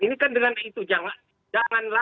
ini kan dengan itu janganlah